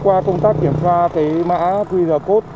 qua công tác kiểm tra thì mã qr code